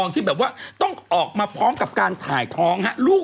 ขี้ออกมาดีเลยครู